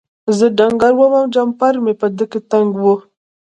زه ډنګر وم او جمپر په ده کې تنګ و.